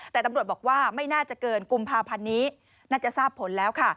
แต่ตำรวจบอกว่าไม่น่าจะเกินกุมภาพันธ์นี้น่าจะทราบผลแล้วค่ะ